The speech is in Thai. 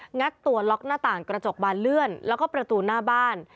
งัดตัวล็อกหน้าต่างกระจกบานเลื่อนแล้วก็ประตูหน้าบ้าน